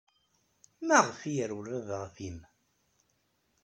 Maɣef ay yerwel baba ɣef yemma?